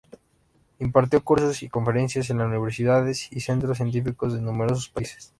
Impartió cursos y conferencias en universidades y centros científicos de numerosos países.